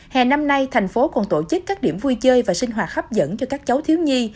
hè năm nay thành phố còn tổ chức các điểm vui chơi và sinh hoạt hấp dẫn cho các cháu thiếu nhi